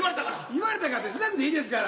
言われたからってしなくていいですから。